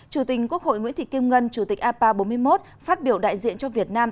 chủ tịch quốc hội nguyễn thị kim ngân chủ tịch ipa bốn mươi một phát biểu đại diện cho việt nam